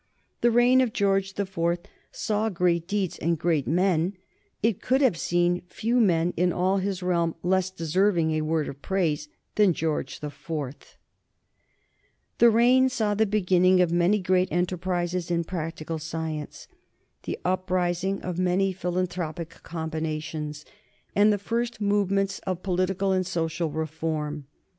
The reign of George the Fourth saw great deeds and great men; it could have seen few men in all his realm less deserving a word of praise than George the Fourth. [Sidenote: 1830 Events in the reign of George the Fourth] The reign saw the beginning of many great enterprises in practical science, the uprising of many philanthropic combinations, and the first movements of political and social reform.